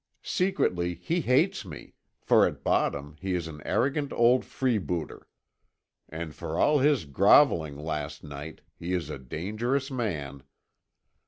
Secretly he hates me, for at bottom he is an arrogant old freebooter. And for all his grovelling last night, he is a dangerous man.